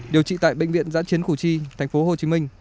điều trị tại bệnh viện giã chiến củ chi tp hcm